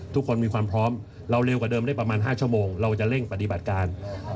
ทุกคนมีความพร้อมเราเร็วกว่าเดิมได้ประมาณ๕ชั่วโมงเราจะเร่งปฏิบัติการ